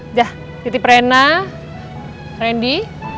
udah titip rena randy